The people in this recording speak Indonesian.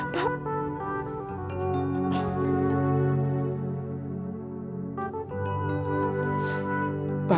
kita harus segera pindah pak